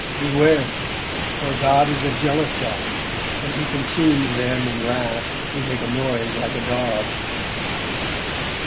Beware! for God is a jealous God and He consumes them in wrath who make a noise like a dog.'